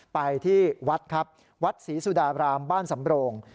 ไปที่วัดครับวัดศรีสุดารามบ้านสำโรง